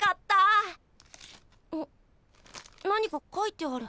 何か書いてある。